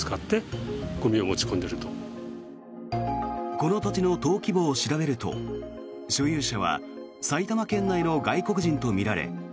この土地の登記簿を調べると所有者は埼玉県内の外国人とみられ